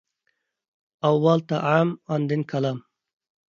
ئاۋۋال تائام، ئاندىن كالام.